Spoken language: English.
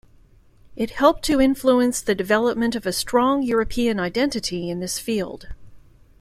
It helped to influence the development of a strong European identity in this field.